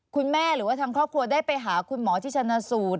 หรือว่าทางครอบครัวได้ไปหาคุณหมอที่ชนะสูตร